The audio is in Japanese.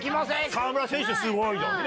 「河村選手すごい」じゃんね。